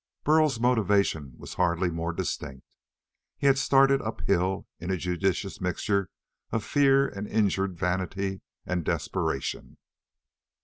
Burl's motivation was hardly more distinct. He had started uphill in a judicious mixture of fear and injured vanity and desperation.